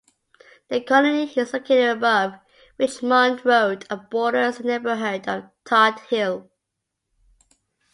"The Colony" is located above Richmond Road and borders the neighborhood of Todt Hill.